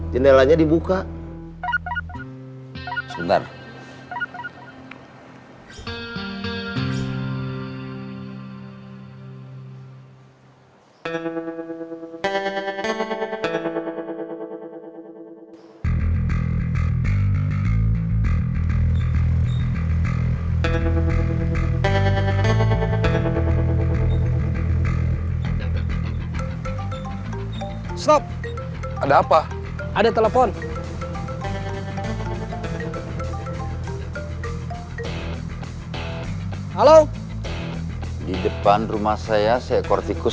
berikutnya sedang diperkenalkan oleh sdi media